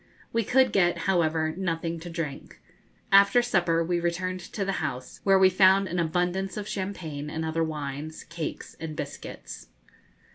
We could get however, nothing to drink. After supper, we returned to the house, where we found an abundance of champagne and other wines, cakes, and biscuits.